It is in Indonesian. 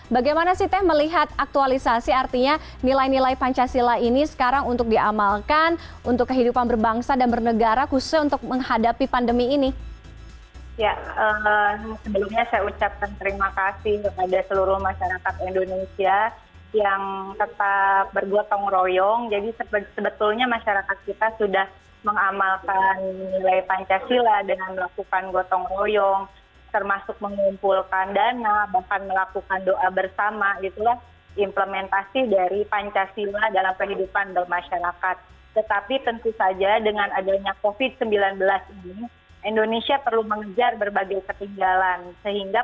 bagaimana sih teh melihat aktualisasi artinya nilai nilai pancasila ini sekarang untuk diamalkan untuk kehidupan berbangsa dan bernegara khususnya untuk menghadapi pandemi ini